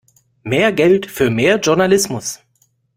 Mehr Geld für mehr Journalismus!